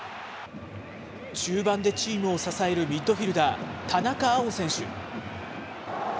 中盤でチームを支えるミッドフィルダー、田中碧選手。